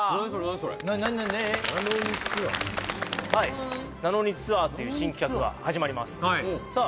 それはいなのにツアーという新企画が始まりますさあ